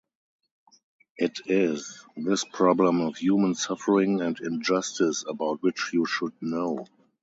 It is this problem of human suffering and injustice about which you should know.